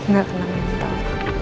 gak kena mental